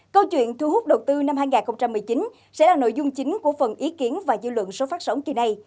câu chuyện thu hút đầu tư năm hai nghìn một mươi chín sẽ là nội dung chính của phần ý kiến và dư luận số phát sóng kỳ này